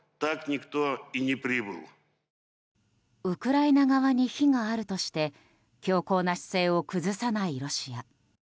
ウクライナ側に非があるとして強硬な姿勢を崩さないロシア。